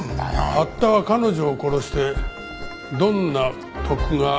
八田は彼女を殺してどんな得がありますかね？